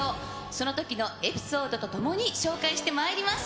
そのときのエピソードと共に紹介してまいります。